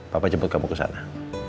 papa jemput kamu kesana